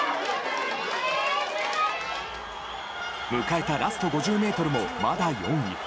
迎えたラスト５０ｍもまだ４位。